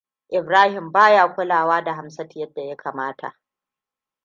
Ibrahim ba ya kulawa da Hamsatu yadda ya kamata.